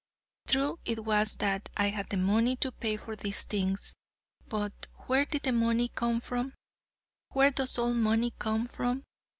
True it was that I had the money to pay for these things, but where did the money come from? Where does all money come from?